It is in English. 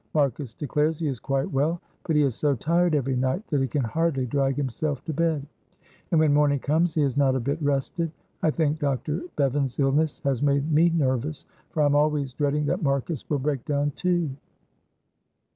Marcus declares he is quite well, but he is so tired every night that he can hardly drag himself to bed, and when morning comes he is not a bit rested. I think Dr. Bevan's illness has made me nervous, for I am always dreading that Marcus will break down too."